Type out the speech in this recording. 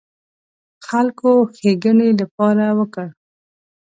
خلکو ښېګڼې لپاره وکړ.